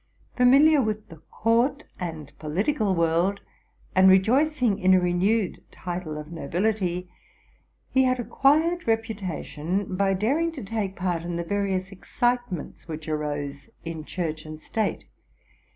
Familiar with the court and political world, and rejoicing in a renewed title of nobility, he had acquired reputation by daring to take part in the various xcitements which arose in Church and State.